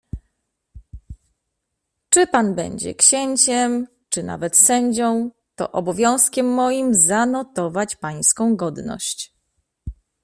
"Czy pan będzie księciem, czy nawet sędzią, to obowiązkiem moim zanotować pańską godność."